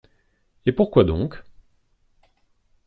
Et pourquoi donc?